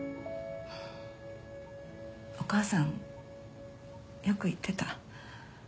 お母さんよく言ってた。